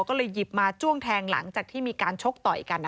ก็เลยหยิบมาจ้วงแทงหลังจากที่มีการชกต่อยกัน